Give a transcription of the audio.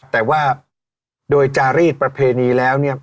แต่ว่าโดยจารีสประเพณีแล้วเนี่ย